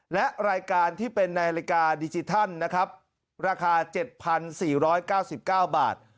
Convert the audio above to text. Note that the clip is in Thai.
และรายการที่เป็นนาฬิกาดิจิทัลนะครับราคาเจ็ดพันสี่ร้อยเก้าสิบเก้าบาท